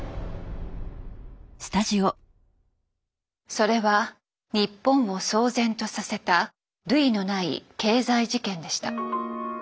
それは日本を騒然とさせた類のない経済事件でした。